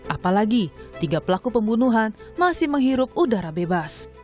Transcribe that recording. apalagi tiga pelaku pembunuhan masih menghirup udara bebas